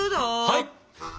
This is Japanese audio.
はい。